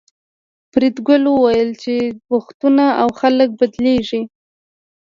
فریدګل وویل چې وختونه او خلک بدلیږي